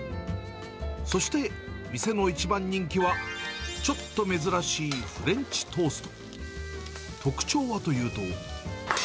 そして店の一番人気は、ちょっと珍しいフレンチトースト。